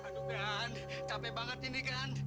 aduh kan capek banget ini kan